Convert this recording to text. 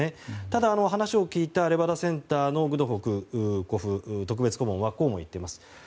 ただ、話を聞いたレバダセンターのグドゥコフ特別顧問はこうも言っています。